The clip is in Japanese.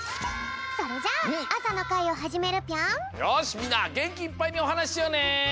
よしみんなげんきいっぱいにおはなししようね！